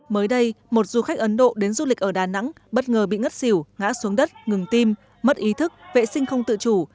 mới đây một du khách ấn độ đến du lịch ở đà nẵng bất ngờ bị ngất xỉu ngã xuống đất ngừng tim mất ý thức vệ sinh không tự chủ